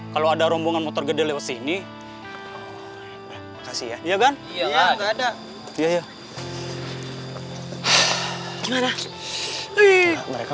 kalau ada rombongan motor gede lewat sini kasih ya iya kan iya ya gimana ih mereka